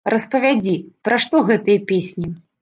Распавядзі, пра што гэтыя песні.